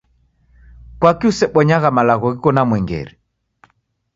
Kwaki usebonyagha malagho ghiko na mwengere?